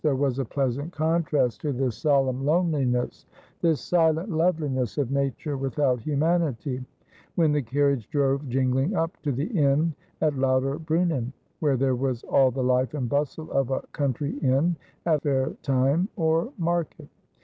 There was a pleasant contrast to this solemn loneliness, this silent loveliness of Nature without humanity, when the carriage drove jingling up to the inn at Lauterbrunnen, where there was all the life and bustle of a country inn at fair time or market.